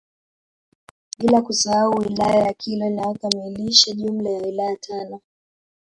Bila kusahau wilaya ya Kilwa inayokamilisha jumla ya wilaya tano